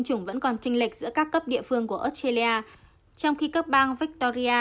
chủng vẫn còn tranh lệch giữa các cấp địa phương của australia trong khi các bang victoria